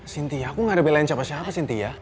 sintia aku gak ada belain siapa siapa sintia